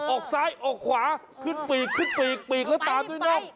ออกซ้ายออกขวาขึ้นปีกขึ้นปีกปีกแล้วตามด้วยเนาะ